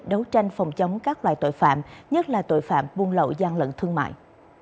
đấu tranh phòng chống các loại tội phạm nhất là tội phạm buôn lậu gian lận thương mại